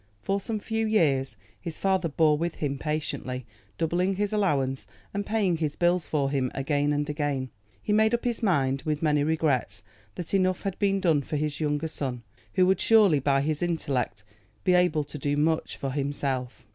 For some few years his father bore with him patiently, doubling his allowance, and paying his bills for him again and again. He made up his mind, with many regrets, that enough had been done for his younger son, who would surely by his intellect be able to do much for himself.